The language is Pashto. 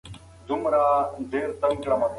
ناصر خسرو خپل يونليک ليکلی دی.